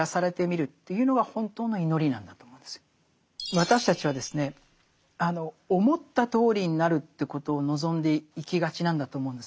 私たちはですね思ったとおりになるということを望んでいきがちなんだと思うんです。